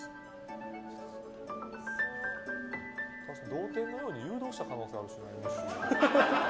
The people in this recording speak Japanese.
同点のように誘導した可能性がある。